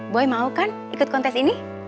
boy mau kan ikut kontes ini